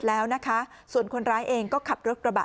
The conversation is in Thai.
แล้วนะคะส่วนคนร้ายเองก็ขับรถกระบะ